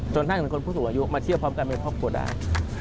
ท่านเป็นคนผู้สูงอายุมาเที่ยวพร้อมกันเป็นครอบครัวได้